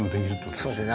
そうですね。